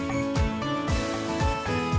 ถ้าลอกลับมารุนทราบสงครามกลาย